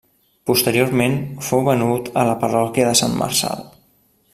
Posteriorment fou venut a la Parròquia de Sant Marçal.